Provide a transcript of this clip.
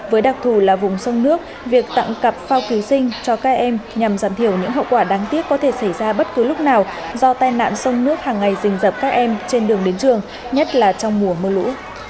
với đặc thù là vùng sông nước việc tặng cặp phao cứu sinh cho các em nhằm giảm thiểu những hậu quả đáng tiếc có thể xảy ra bất cứ lúc nào do tai nạn sông nước hàng ngày rình dập các em trên đường đến trường nhất là trong mùa mưa lũ